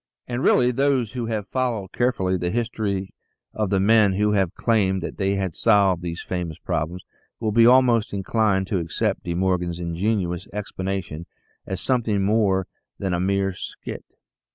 And really those who have followed carefully the history of the men who have claimed that they had solved these famous problems, will be almost inclined to accept De Morgan's ingenious explanation as something more than a mere " skit."